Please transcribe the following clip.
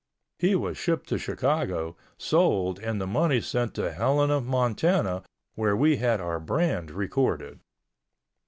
He was shipped to Chicago, sold and the money sent to Helena, Montana, where we had our brand recorded.